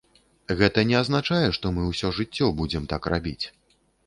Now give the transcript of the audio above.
Гэта не азначае, што мы ўсё жыццё будзем так рабіць.